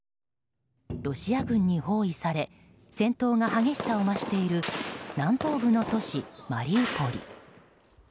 ロシア軍に包囲され戦闘が激しさを増している南東部の都市マリウポリ。